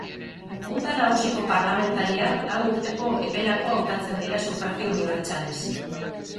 Junta Nagusiko parlamentariak lau urteko eperako hautatzen dira sufragio unibertsalez.